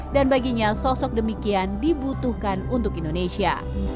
dan baginya sosok demikian dibutuhkan untuk indonesia